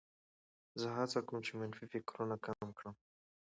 زه هڅه کوم چې منفي فکرونه کم کړم.